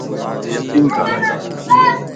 مانتَ يقين ڪر